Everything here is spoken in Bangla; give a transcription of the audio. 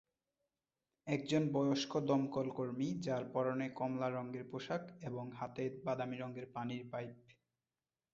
একজন বয়স্ক দমকলকর্মী, যার পরনে কমলা রঙের পোশাক এবং হাতে বাদামী রঙের পানির পাইপ।